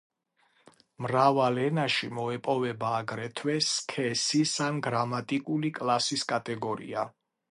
მრავალ ენაში მოეპოვება აგრეთვე სქესის ან გრამატიკული კლასის კატეგორია.